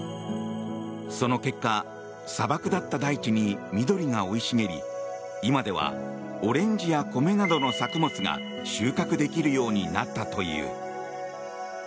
その結果砂漠だった大地に緑が生い茂り今ではオレンジや米などの作物が収穫できるようになったという。